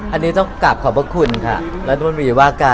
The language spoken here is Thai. อันนี้ต้องกราบขอบพระคุณค่ะ